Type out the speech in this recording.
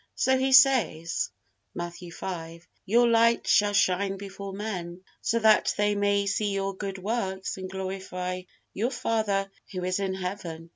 So He says, Matthew v: "Your light shall shine before men, so that they may see your good works and glorify your Father Who is in heaven."